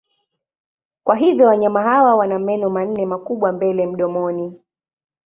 Kwa hivyo wanyama hawa wana meno manne makubwa mbele mdomoni.